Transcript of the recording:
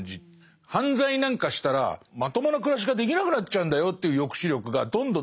犯罪なんかしたらまともな暮らしができなくなっちゃうんだよという抑止力がどんどん。